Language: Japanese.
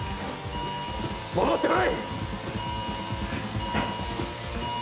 戻ってこい。